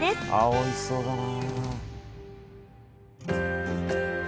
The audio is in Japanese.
おいしそうだな。